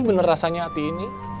ini bener rasanya hati ini